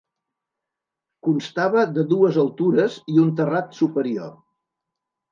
Constava de dues altures i un terrat superior.